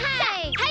はい。